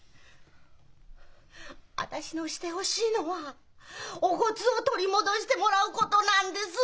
私のしてほしいのはお骨を取り戻してもらうことなんです。